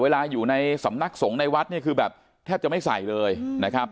เวลาอยู่ในสำนักสงฆ์ในวัดเนี่ยคือแบบแทบจะไม่ใส่เลยนะครับ